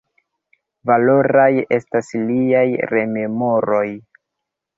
Valoraj estas liaj rememoroj.